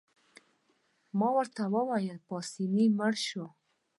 ما ورته وویل: پاسیني مړ شو.